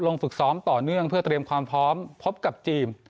ฝึกซ้อมต่อเนื่องเพื่อเตรียมความพร้อมพบกับจีน